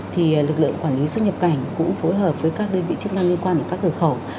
thì lực lượng quản lý xuất nhập cảnh cũng phối hợp với các đơn vị chức năng liên quan ở các cửa khẩu